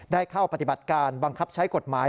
ได้เข้าปฏิบัติการบังคับใช้กฎหมาย